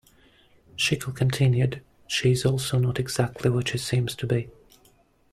Schickel continued, She is also not exactly what she seems to be.